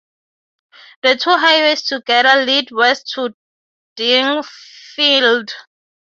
The two highways together lead west to Daingerfield.